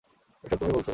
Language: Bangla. এসব তুমিই বলছ।